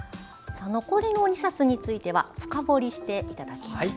残りの２冊については深掘りしていただきます。